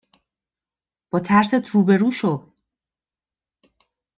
با ترسات روبرو شو